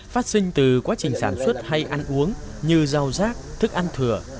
phát sinh từ quá trình sản xuất hay ăn uống như rau rác thức ăn thừa